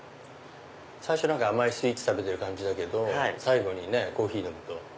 最初甘いスイーツ食べてる感じだけど最後にコーヒー飲むと。